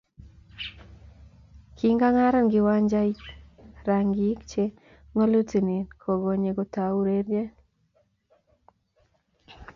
Kingaran kiwanjaitak rankii cge ngulotei kokonye kotou urerie.